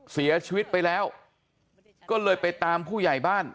เสียชีวิตไปแล้วก็เลยไปตามผู้ใหญ่บ้าน